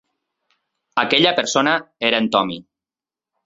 Aquella persona era en Tommy.